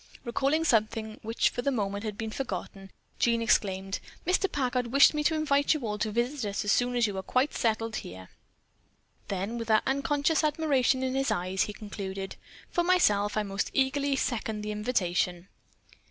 Recalling something which for the moment had been forgotten, Jean exclaimed: "Mr. Packard wished me to invite you all to visit us as soon as you are quite settled here." Then with that unconscious admiration in his eyes, he concluded: "For myself I most eagerly second the invitation."